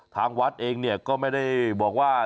ทางวัดเองเนี่ยก็ไม่ได้บอกว่า